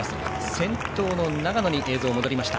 先頭の長野に映像が戻りました。